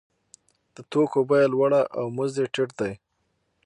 د توکو بیه لوړه او مزد یې ټیټ دی